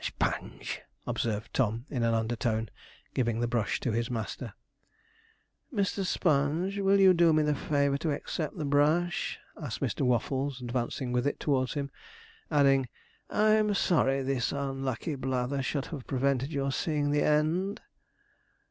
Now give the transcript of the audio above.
'Sponge,' observed Tom, in an undertone, giving the brush to his master. 'Mr. Sponge, will you do me the favour to accept the brush?' asked Mr. Waffles, advancing with it towards him; adding, 'I am sorry this unlucky bather should have prevented your seeing the end.'